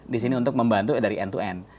di sini untuk membantu dari end to end